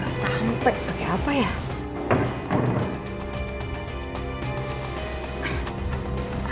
nggak sampai pakai apa ya